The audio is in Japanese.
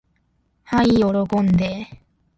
はい喜んで。